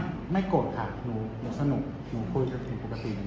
ไม่โกรธค่ะหนูสนุกหนูคุยกันผิดปกติ